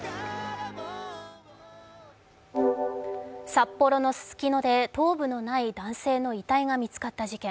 札幌のススキノで頭部のない男性の遺体が見つかった事件。